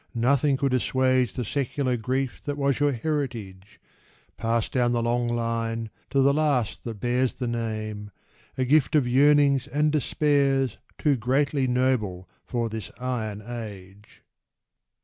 Nothing could assuage The secular grief that was your heritage, Passed down the long line to the last that bears The name, a gift of yearnings and despairs Too greatly noble for this iron age.